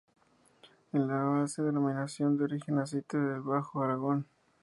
Es la base de la Denominación de Origen "Aceite del Bajo Aragón".